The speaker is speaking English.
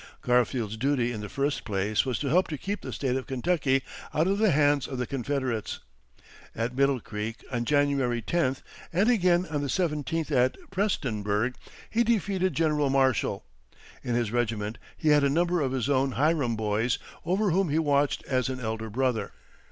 Garfield's duty in the first place was to help to keep the State of Kentucky out of the hands of the Confederates. At Middle Creek on January 10th, and again on the 17th at Prestonburg, he defeated General Marshall. In his regiment he had a number of his own Hiram boys, over whom he watched as an elder brother.